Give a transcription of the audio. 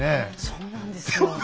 そうなんですよ。